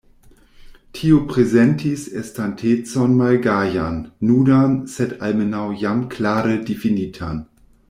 Tio prezentis estantecon malgajan, nudan, sed almenaŭ jam klare difinitan.